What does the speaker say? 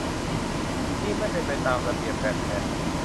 นี่ไม่เป็นตามระเบียบแบบแผน